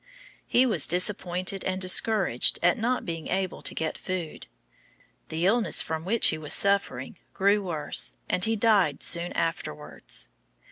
He was disappointed and discouraged at not being able to get food. The illness from which he was suffering grew worse, and he died soon afterwards.